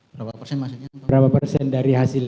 berapa persen dari hasil